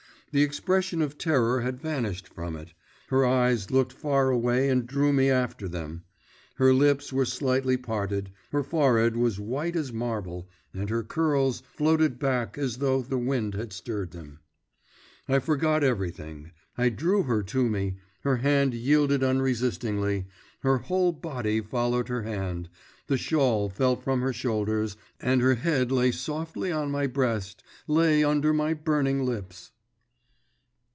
The expression of terror had vanished from it, her eyes looked far away and drew me after them, her lips were slightly parted, her forehead was white as marble, and her curls floated back as though the wind had stirred them. I forgot everything, I drew her to me, her hand yielded unresistingly, her whole body followed her hand, the shawl fell from her shoulders, and her head lay softly on my breast, lay under my burning lips.